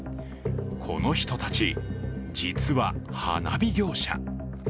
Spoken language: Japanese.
この人たち、実は花火業者。